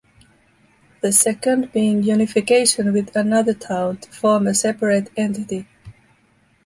The second being unification with another town to form a separate entity.